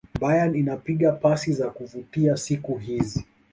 bayern inapiga pasi za kuvutia siku hizi